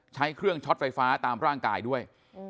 ใช้เครื่องช็อตไฟฟ้าตามร่างกายด้วย